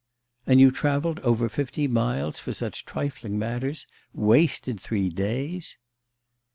'And you travelled over fifty miles for such trifling matters? Wasted three days?